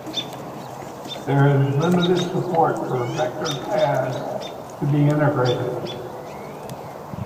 There is limited support for vector paths to be integrated.